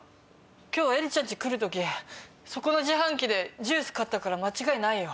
今日エリちゃん家来る時そこの自販機でジュース買ったから間違いないよ。